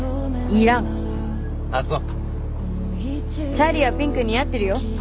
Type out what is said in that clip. チャーリーはピンク似合ってるよ。